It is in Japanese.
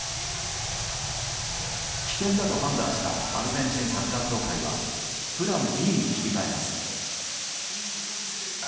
危険だと判断したアルゼンチンサッカー協会はプランＢに切り替えます。